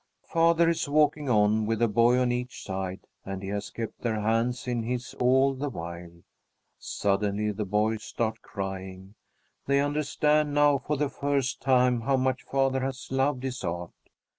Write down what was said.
Father is walking on, with a boy on each side, and he has kept their hands in his all the while. Suddenly the boys start crying. They understand now for the first time how much father has loved his art.